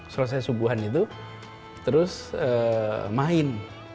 selesai subuhan itu terus main